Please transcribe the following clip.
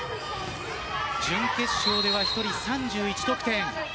準決勝では１人３１得点。